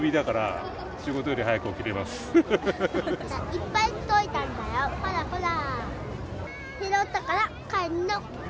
いっぱい取れたんだよ、ほらほら。